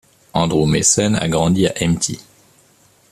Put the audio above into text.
Andrew Mason a grandi à Mt.